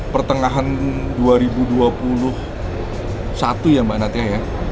pertengahan dua ribu dua puluh satu ya mbak natya ya